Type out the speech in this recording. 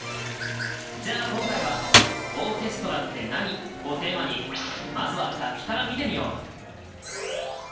じゃあ今回は「オーケストラって何？」をテーマにまずは楽器から見てみよう！